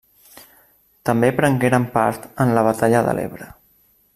També prengueren part en la batalla de l'Ebre.